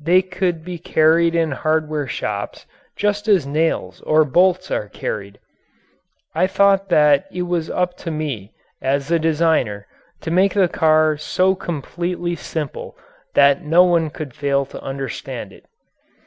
They could be carried in hardware shops just as nails or bolts are carried. I thought that it was up to me as the designer to make the car so completely simple that no one could fail to understand it.